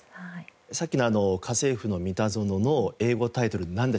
さっきの『家政夫のミタゾノ』の英語タイトルなんでしたっけ？